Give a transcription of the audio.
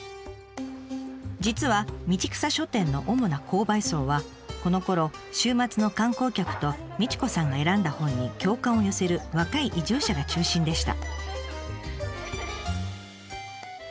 実は道草書店の主な購買層はこのころ週末の観光客と道子さんが選んだ本に共感を寄せる若い移住者が中心でした。